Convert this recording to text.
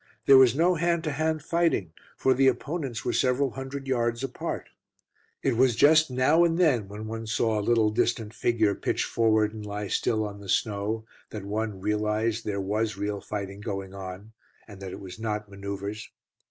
There was no hand to hand fighting, for the opponents were several hundred yards apart. It was just now and then when one saw a little distant figure pitch forward and lie still on the snow that one realised there was real fighting going on, and that it was not manoeuvres.